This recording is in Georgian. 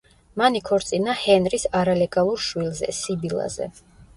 მან იქორწინა ჰენრის არალეგალურ შვილზე, სიბილაზე.